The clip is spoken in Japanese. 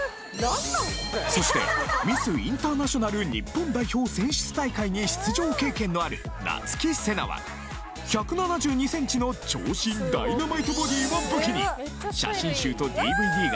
そしてミスインターナショナル日本代表選出大会に出場経験のある奈月セナは１７２ｃｍの長身ダイナマイトボディーを武器に写真集とＤＶＤが